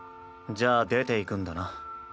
じゃあ出ていくんだな？